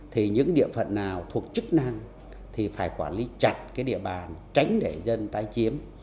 thì những địa phận nào thuộc chức năng thì phải quản lý chặt cái địa bàn tránh để dân tái chiếm